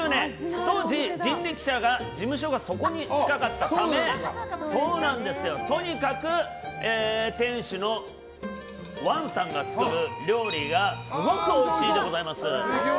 当時、人力舎の事務所がそこに近かったためとにかく店主のワンさんが作る料理がすごくおいしいのでございます。